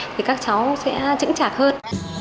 thì các cháu sẽ chững chạc hơn